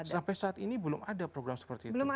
sampai saat ini belum ada program seperti itu